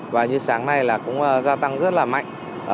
và như sáng nay là cũng gia tăng rất là mạnh